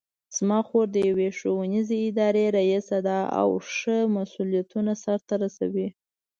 زما خور د یوې ښوونیزې ادارې ریسه ده او ښه مسؤلیتونه سرته رسوي